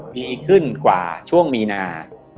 ดีขึ้นกว่าช่วงมีนา